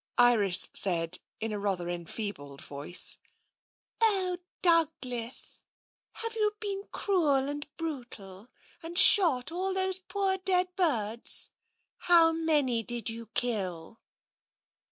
Iris said in a rather enfeebled voice: " Oh, Douglas, have you been cruel and brutal and shot all those poor dear birds? How many did you kill?"